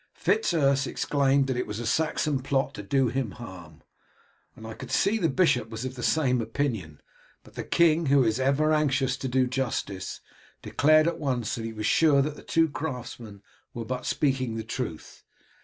Fitz Urse exclaimed that it was a Saxon plot to do him harm, and I could see that the bishop was of the same opinion; but the king, who is ever anxious to do justice, declared at once that he was sure that the two craftsmen were but speaking the truth.